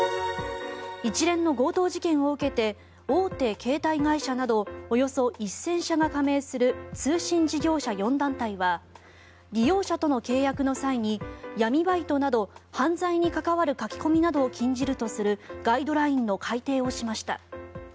一連の強盗事件を受けて大手携帯会社などおよそ１０００社が加盟する通信事業者４団体は利用者との契約の際に闇バイトなど犯罪に関わる書き込みなどを禁じるとするガイドラインの改定をしました。